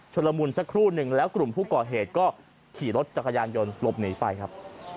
ละมุนสักครู่หนึ่งแล้วกลุ่มผู้ก่อเหตุก็ขี่รถจักรยานยนต์หลบหนีไปครับ